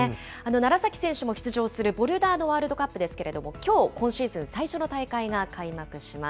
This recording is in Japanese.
楢崎選手も出場するボルダーのワールドカップですけれども、最初の大会が開幕します。